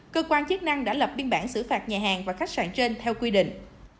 cơ quan chức năng đã lập biên bản xử phạt nhà hàng và khách sạn trên theo quy định